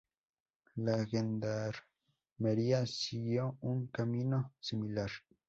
La Gendarmería siguió un camino similar.